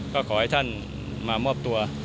ก็ขอให้ท่านมามอบตัว